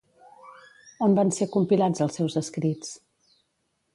On van ser compilats els seus escrits?